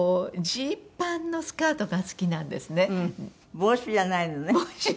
帽子じゃないのね。